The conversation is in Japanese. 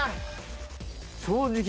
正直